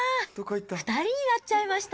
２人になっちゃいました。